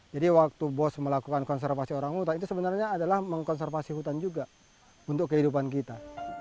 waktu bos melakukan konservasi orang hutan itu sebenarnya adalah mengkonservasi hutan juga untuk kehidupan kita